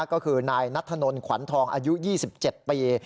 ก็คือนายนัทธนลขวัญทองอายุ๒๗ปี